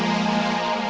terima kasih ya